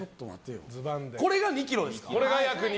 これが２ｋｇですか。